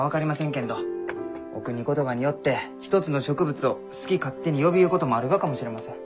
けんどおくに言葉によって一つの植物を好き勝手に呼びゆうこともあるがかもしれません。